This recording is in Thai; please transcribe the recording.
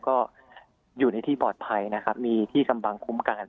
ก็อยู่ในที่ปลอดภัยนะครับมีที่กำบังคุ้มกัน